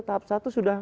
tahap satu sudah ms